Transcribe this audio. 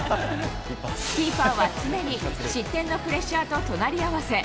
キーパーは常に失点のプレッシャーと隣り合わせ。